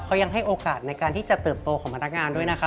เขายังให้โอกาสในการที่จะเติบโตของพนักงานด้วยนะคะ